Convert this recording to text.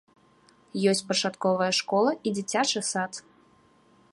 Ёсць пачатковая школа і дзіцячы сад.